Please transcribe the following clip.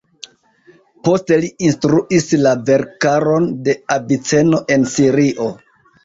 Poste li instruis la verkaron de Aviceno en Sirio.